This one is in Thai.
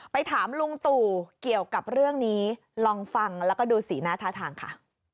ไปถามลุงตู่เกี่ยวกับเรื่องนี้ลองฟังแล้วก็ดูสีหน้าท่าทางค่ะ